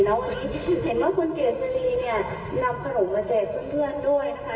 แล้ววันนี้เห็นว่าคุณเกษรีเนี่ยนำขนมมาแจกเพื่อนด้วยนะคะ